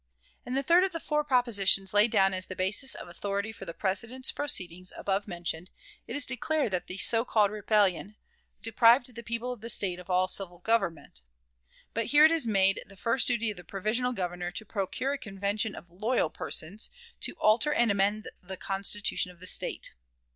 In the third of the four propositions laid down as the basis of authority for the President's proceedings, above mentioned, it is declared that the so called rebellion, "deprived the people of the State of all civil government"; but here it is made the first duty of the provisional Governor to procure a convention of "loyal" persons "to alter and amend the Constitution" of the State.